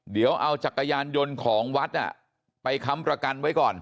เดี๋ยวเอาจักรยานยนต์ของวัดไปค้ำประกันไว้ก่อน